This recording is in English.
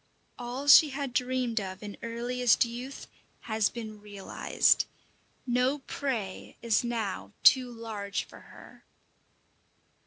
All she had dreamed of in earliest youth has been realized; no prey is now too large for her.